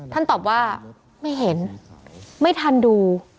ตอบว่าไม่เห็นไม่ทันดู